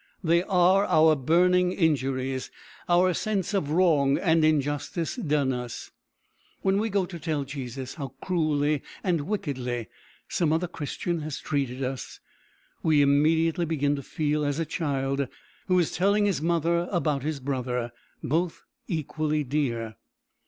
They are our burning injuries, our sense of wrong and injustice done us. When we go to tell Jesus how cruelly and wickedly some other Christian has treated us, we immediately begin to feel as a child who is telling his mother about his brother both equally dear.